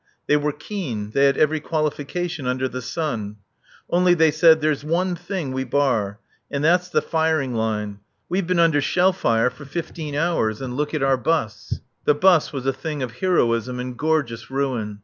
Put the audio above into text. They were keen. They had every qualification under the sun. "Only," they said, "there's one thing we bar. And that's the firing line. We've been under shell fire for fifteen hours and look at our bus!" The bus was a thing of heroism and gorgeous ruin.